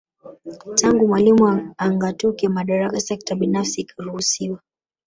Tangu Mwalimu angatuke madaraka Sekta binafsi ikaruhusiwa